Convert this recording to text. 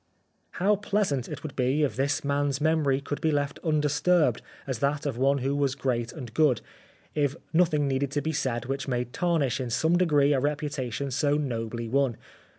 How pleasant it would be if this man's memory could be left undisturbed as that of one who was great and good, if nothing needed to be said which may tarnish in some degree a reputation so nobly won.